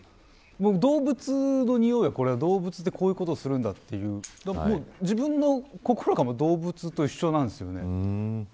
動物のにおいは、動物ってこういうことをするんだという自分の心が動物と一緒なんですよね。